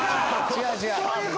違う違う！